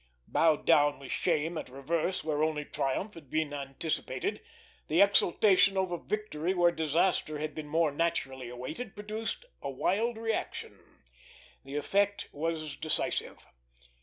Bowed down with shame at reverse where only triumph had been anticipated, the exultation over victory where disaster had been more naturally awaited produced a wild reaction. The effect was decisive.